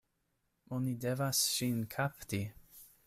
Oni devas ŝin kapti!